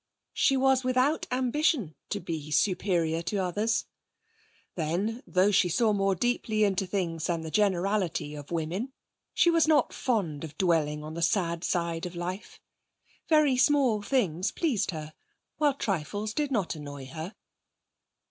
She was without ambition to be superior to others. Then, though she saw more deeply into things than the generality of women, she was not fond of dwelling on the sad side of life. Very small things pleased her, while trifles did not annoy her.